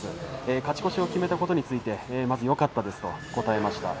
勝ち越しを決めたことについてよかったですという話です。